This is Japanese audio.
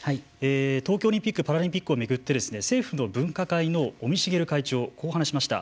東京オリンピック・パラリンピックを巡って政府の分科会の尾身茂会長こう話しました。